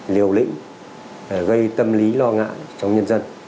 liều lĩnh gây tâm lý lo ngại trong nhân dân